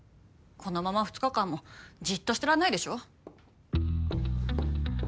このまま２日間もじっとしてらんないでしょ。